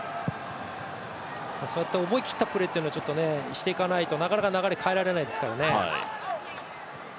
そうやって思い切ったプレーというのをしていかないとなかなか流れ、変えられないですからね。